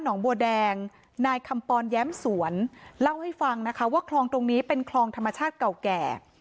งบัวแดงนายคำปอนแย้มสวนเล่าให้ฟังนะคะว่าคลองตรงนี้เป็นคลองธรรมชาติเก่าแก่